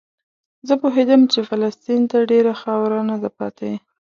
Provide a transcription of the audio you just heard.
زه پوهېدم چې فلسطین ته ډېره خاوره نه ده پاتې.